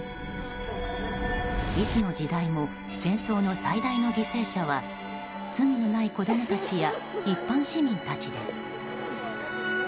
いつの時代も戦争の最大の犠牲者は罪のない子供たちや一般市民たちです。